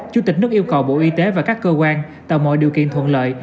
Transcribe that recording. chủ tịch nước yêu cầu bộ y tế và các cơ quan tạo mọi điều kiện thuận lợi